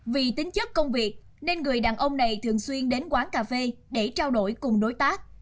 vì tính chất công việc nên người đàn ông này thường xuyên đến quán cà phê để trao đổi cùng đối tác